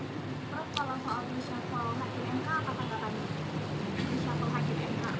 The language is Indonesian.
pak kalau soal wisata hakim nk apa tanggal tadi